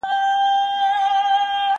زه به د لوبو لپاره وخت نيولی وي!؟